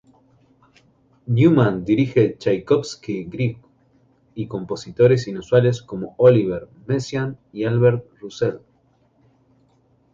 Neumann dirige a Chaikovski, Grieg, y compositores inusuales como Olivier Messiaen y Albert Roussel.